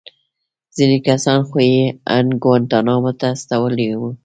ځينې کسان خو يې ان گوانټانامو ته استولي وو.